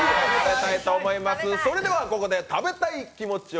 それではここで食べたい気持ちよ